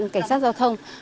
cảnh sát giao thông